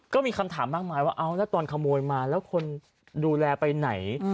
ก็มีคำถามมากมายว่าเอาแล้วตอนขโมยมาแล้วคนดูแลไปไหน